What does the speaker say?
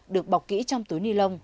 được bọc kỹ trong túi nilon